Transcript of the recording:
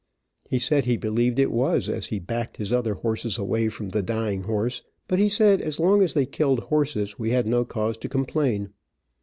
He said he believed it was, as he backed his other horses away from the dying horse, but he said as long as they killed horses we had no cause to complain.